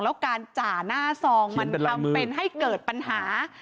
แล้วการจ่าหน้าซองมันทำเป็นให้เกิดปัญหา